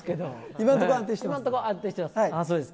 今のところ、安定してます。